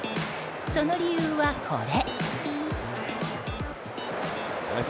その理由は、これ。